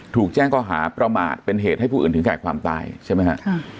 ถูกแจ้งข้อหาประมาทเป็นเหตุให้ผู้อื่นถึงแก่ความตายใช่ไหมฮะ